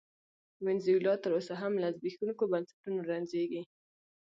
وینزویلا تر اوسه هم له زبېښونکو بنسټونو رنځېږي.